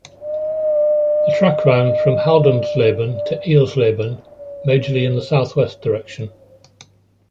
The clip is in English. The track ran from Haldensleben to Eilsleben, majorly in the south-western direction.